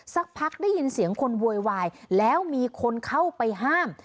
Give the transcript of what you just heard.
สักพักได้ยินเสียงคนโวยวายแล้วมีคนเข้าไปห้าม